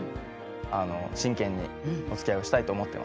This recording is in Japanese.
真剣におつきあいをしたいと思ってますと伝えました。